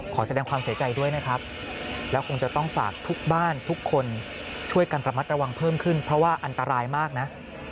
ขอแสดงความเสียใจด้วยนะครับแล้วคงจะต้องฝากทุกบ้านทุกคนช่วยกันระมัดระวังเพิ่มขึ้นเพราะว่าอันตรายมากนะ